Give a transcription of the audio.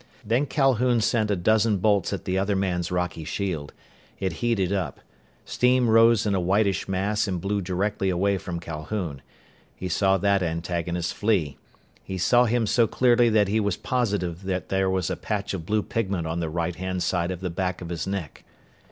Then Calhoun sent a dozen bolts at the other man's rocky shield. It heated up. Steam rose in a whitish mass and blew directly away from Calhoun. He saw that antagonist flee. He saw him so clearly that he was positive that there was a patch of blue pigment on the right hand side of the back of his neck.